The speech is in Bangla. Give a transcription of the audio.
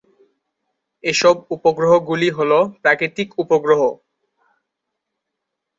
এসব উপগ্রহ গুলি হলো প্রাকৃতিক উপগ্রহ।